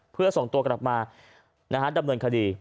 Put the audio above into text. เพื่อส่งตัวกลับมาดำเนินคดี